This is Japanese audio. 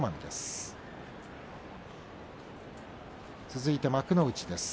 続いて幕内です。